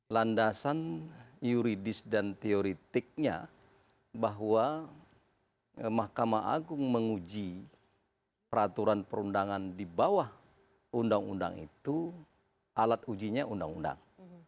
landasan yuridis dan teoretiknya bahwa mahkamah agung menguji peraturan perundangan di bawah undang undang itu alat ujinya undang undang